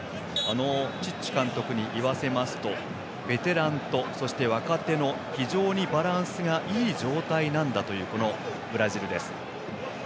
チッチ監督に言わせますとベテランとそして、若手の非常にバランスがいい状態なんだというブラジルです。